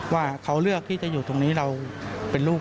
ว่าเขาเลือกที่จะอยู่ตรงนี้เราเป็นลูก